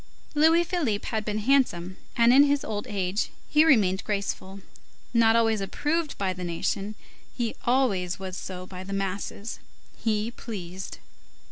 Louis Philippe had been handsome, and in his old age he remained graceful; not always approved by the nation, he always was so by the masses; he pleased.